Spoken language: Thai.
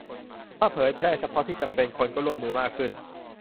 ถ้าเผยแพร่เฉพาะที่จำเป็น คนก็ร่วมมือมากขึ้น